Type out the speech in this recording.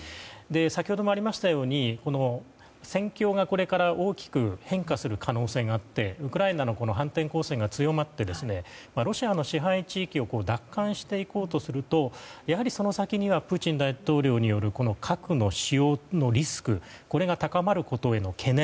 先ほどもありましたように戦況が、これから大きく変化する可能性があってウクライナの反転攻勢が強まって、ロシアの支配地域を奪還していこうとするとやはり、その先にはプーチン大統領による核の使用のリスクが高まることへの懸念。